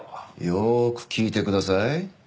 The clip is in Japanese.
よーく聞いてください。